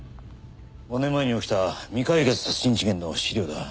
５年前に起きた未解決殺人事件の資料だ。